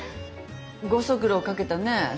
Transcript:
ご足労かけたね。